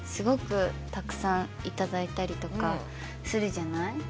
ごくたくさんいただいたりとかするじゃない？